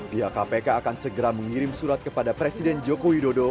pihak kpk akan segera mengirim surat kepada presiden joko widodo